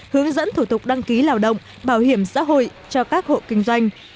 hướng dẫn thủ tục đăng ký lao động bảo hiểm xã hội cho các hộ kinh doanh